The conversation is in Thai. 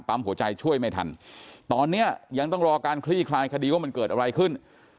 หัวใจช่วยไม่ทันตอนนี้ยังต้องรอการคลี่คลายคดีว่ามันเกิดอะไรขึ้น